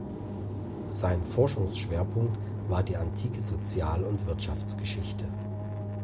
Sein Forschungsschwerpunkt war die antike Sozial- und Wirtschaftsgeschichte.